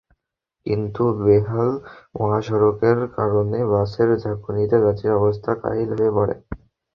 কিন্তু বেহাল মহাসড়কের কারণে বাসের ঝাঁকুনিতে যাত্রীদের অবস্থা কাহিল হয়ে পড়ে।